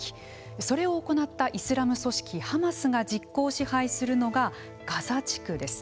それを行ったイスラム組織ハマスが実効支配するのがガザ地区です。